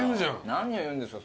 何を言うんですか。